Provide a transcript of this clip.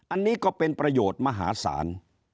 อันนี้ก็เป็นประโยชน์มหาศาล